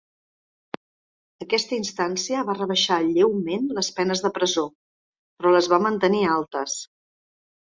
Aquesta instància va rebaixar lleument les penes de presó, però les va mantenir altes.